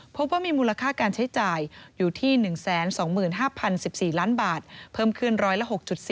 พบว่ามีมูลค่าการใช้จ่ายอยู่ที่๑๒๕๐๑๔ล้านบาทเพิ่มขึ้นร้อยละ๖๔